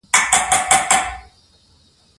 سیاسي پرېکړې باید د مشورو پر بنسټ وي